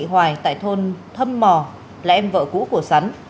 chị hoàng thị hoàng tại thôn thâm mò là em vợ cũ của sắn